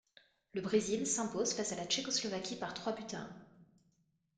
Le Brésil s'impose face à la Tchécoslovaquie par trois buts à un.